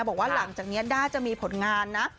บอกว่าหลังจากนี้ด้าจะมีผลงานนะ